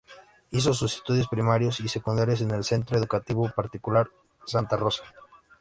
Hizo sus estudios primarios y secundarios en el Centro Educativo Particular Santa Rosa.